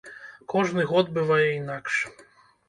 Кожны год бывае інакш.